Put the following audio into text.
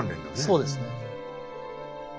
そうですね。